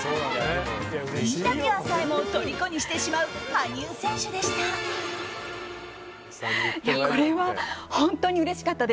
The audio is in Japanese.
インタビュアーさえもとりこにしてしまう羽生選手でした。